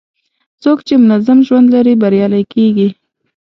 څوک چې منظم ژوند لري، بریالی کېږي.